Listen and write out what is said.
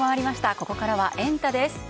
ここからはエンタ！です。